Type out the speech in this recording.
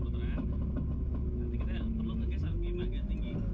hampir setengah bikin udah pakai handbrake kita lanjutkan untuk figure delapan